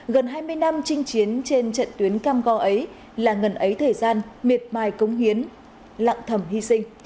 gần hai mươi năm trinh chiến trên trận tuyến cam go ấy là ngần ấy thời gian miệt mài cống hiến lặng thầm hy sinh